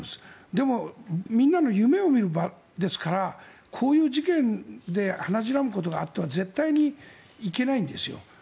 でもみんなの夢を見る場ですからこういう事件で鼻白むことがあっては絶対にいけないんです。